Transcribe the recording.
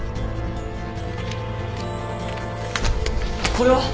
これは！？